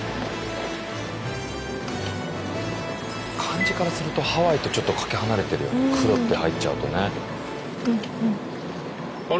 漢字からするとハワイとちょっとかけ離れてるよね「黒」って入っちゃうとね。